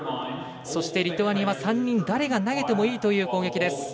そして、リトアニアは３人、誰が投げてもいいという攻撃です。